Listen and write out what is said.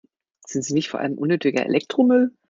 Sind sie nicht vor allem unnötiger Elektromüll?